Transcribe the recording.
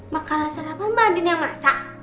makanan sarapan mbak din yang masak